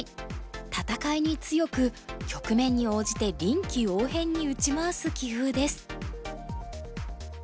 戦いに強く局面に応じて臨機応変に打ち回す棋風です。